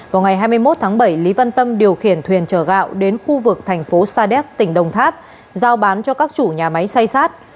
vào ngày hai mươi một tháng bảy lý văn tâm điều khiển thuyền chở gạo đến khu vực thành phố sa đéc tỉnh đồng tháp giao bán cho các chủ nhà máy say sát